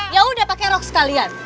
yaudah pakai rok sekalian